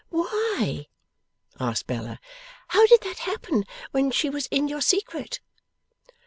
'Why?' asked Bella. 'How did that happen, when she was in your secret?